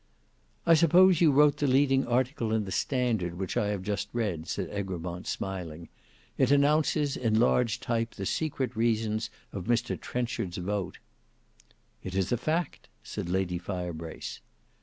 "I suppose you wrote the leading article in the Standard which I have just read," said Egremont smiling. "It announces in large type the secret reasons of Mr Trenchard's vote." "It is a fact," said Lady Firebrace.